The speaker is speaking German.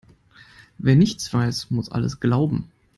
Wer nichts weiß, muss alles glauben.